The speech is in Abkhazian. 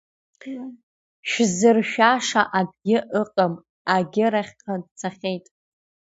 Шәзыршәаша акагьы ыҟам агьырахьҟа дцахьеит!